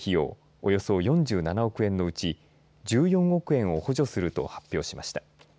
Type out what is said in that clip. およそ４７億円のうち１４億円を補助すると発表しました。